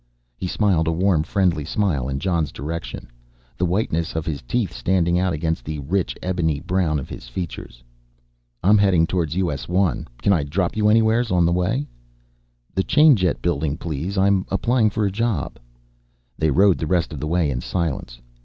He smiled a warm, friendly smile in Jon's direction, the whiteness of his teeth standing out against the rich ebony brown of his features. "I'm heading towards US 1, can I drop you anywheres on the way?" "The Chainjet Building please I'm applying for a job." They rode the rest of the way in silence.